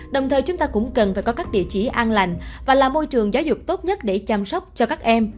đồng thời chúng ta cũng cần phải có các địa chỉ an lành và là môi trường giáo dục tốt nhất để chăm sóc cho các em